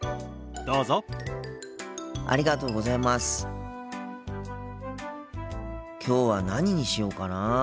心の声きょうは何にしようかな。